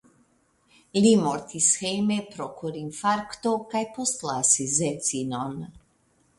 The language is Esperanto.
Li mortis hejme pro korinfarkto kaj postlasis edzinon.